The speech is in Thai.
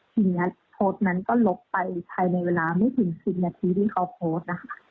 ทีนี้โพสต์นั้นก็ลบไปภายในเวลาไม่ถึง๑๐นาทีที่เขาโพสต์นะคะ